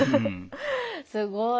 すごい。